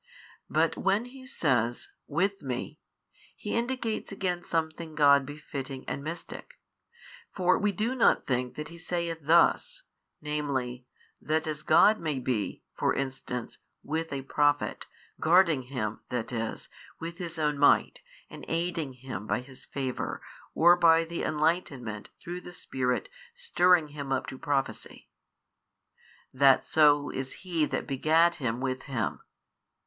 But when He says, With Me, He indicates again something God befitting and Mystic. For we do not think that He saith thus, viz. that as God may be (for instance) with a Prophet, guarding him, that is, with His own Might and aiding him by His favour or by the enlightenment through the Spirit stirring him up to prophecy: that so is He That begat Him with Him.